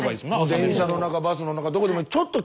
電車の中バスの中どこでもいい。